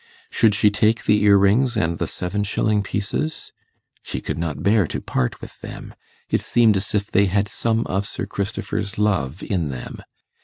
Should she take the earrings and the seven shilling pieces? She could not bear to part with them; it seemed as if they had some of Sir Christopher's love in them.